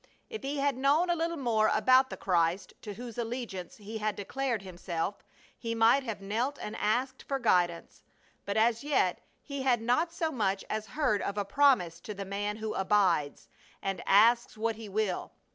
If he had known a little more about the Christ to whose allegiance he had declared himself he might have knelt and asked for guidance; but as yet he had not so much as heard of a promise to the man who "abides," and "asks what he will."